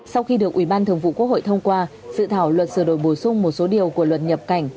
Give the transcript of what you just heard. sau khi được ủy ban thường vụ quốc hội thông qua sự thảo luật sửa đổi bổ sung một số điều của luật nhập cảnh